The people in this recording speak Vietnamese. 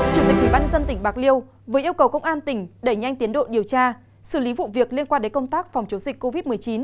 chủ tịch ubnd tỉnh bạc liêu vừa yêu cầu công an tỉnh đẩy nhanh tiến độ điều tra xử lý vụ việc liên quan đến công tác phòng chống dịch covid một mươi chín